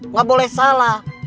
nggak boleh salah